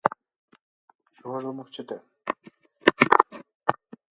Чого ж ви мовчите?